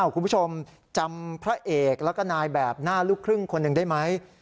คุณผู้ชมจำพระเอกแล้วก็นายแบบหน้าลูกครึ่งคนหนึ่งได้ไหม